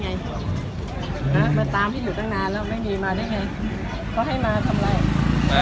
ในเขตนี้แล้วเขาก็ทำแรงงาน